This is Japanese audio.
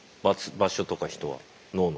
場所とか人は脳の。